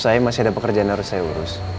saya masih ada pekerjaan yang harus saya urus